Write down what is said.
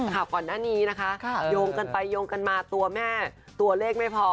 ข่าวก่อนหน้านี้นะคะโยงกันไปโยงกันมาตัวแม่ตัวเลขไม่พอ